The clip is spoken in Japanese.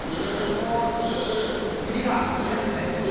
照りがいい感じですね！